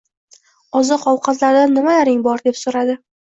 — Oziq-ovqatlardan nimalaring bor? — deb so‘radi.